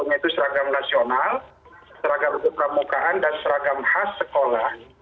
yang itu seragam nasional seragam kepermukaan dan seragam khas sekolah